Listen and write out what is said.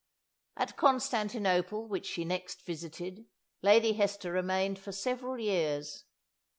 At Constantinople, which she next visited, Lady Hester remained for several years.